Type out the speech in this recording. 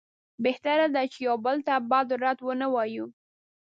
بهتره ده چې یو بل ته بد رد ونه وایو.